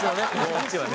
こっちはね。